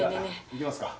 「行きますか？」